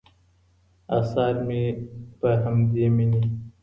آثار مې پر همدې مینې